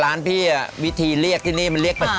อ๋อร้านพี่วิธีเรียกที่นี่มันเรียกแปลก